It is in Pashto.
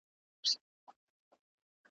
هغه به کیږي چي لیکلي وي کاتب د ازل .